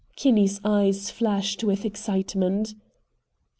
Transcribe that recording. Kinney's eyes flashed with excitement.